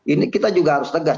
ini kita juga harus tegas